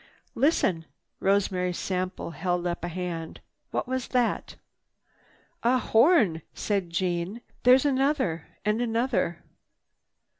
"Listen!" Rosemary Sample held up a hand. "What was that?" "A horn," said Jeanne. "There's another and another.